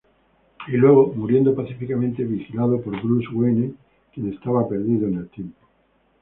Y luego muriendo pacíficamente, vigilado por Bruce Wayne, quien estaba perdido en el tiempo.